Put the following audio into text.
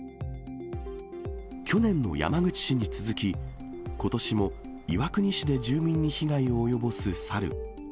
去年の山口市に続き、ことしも岩国市で住民に被害を及ぼす猿。